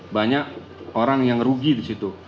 banyak orang yang rugi disitu